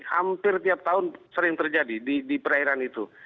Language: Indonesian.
hampir tiap tahun sering terjadi di perairan itu